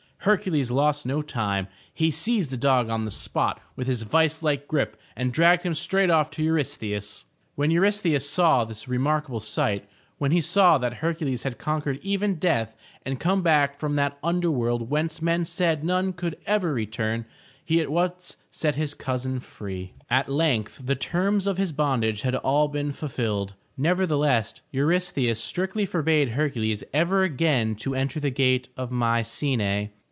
Hercules lost no time. He seized the dog on the spot with his vice like grip, and dragged him straight off to Eurystheus. When Eurystheus saw this remarkable sight, when he saw that Hercules had conquered even death and come back from that 434 THE TREASURE CHEST under world whence men said none could ever return, he at once set his cousin free. At length the terms of his bondage had all been fulfilled. Nevertheless, Eurystheus strictly forbade Her cules ever again to enter the gates of Mycenae.